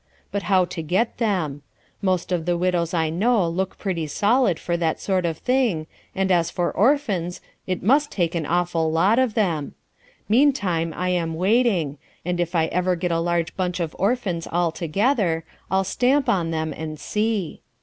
But how to get them. Most of the widows I know look pretty solid for that sort of thing, and as for orphans, it must take an awful lot of them. Meantime I am waiting, and if I ever get a large bunch of orphans all together, I'll stamp on them and see.